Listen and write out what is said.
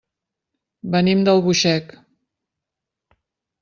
Venim d'Albuixec.